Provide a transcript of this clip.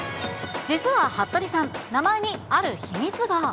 実ははっとりさん、名前にある秘密が。